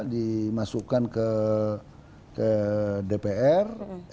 dimasukkan ke dpr